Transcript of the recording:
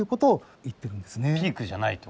ピークじゃないと。